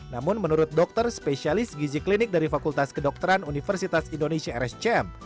namun menurut dokter spesialis gizi klinik dari fakultas kedokteran universitas indonesia rscm